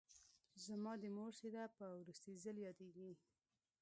زما د مور څېره په وروستي ځل یادېږي